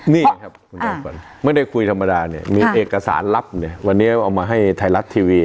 นี่ครับคุณจอมฝันไม่ได้คุยธรรมดาเนี่ยมีเอกสารลับเนี่ยวันนี้เอามาให้ไทยรัฐทีวี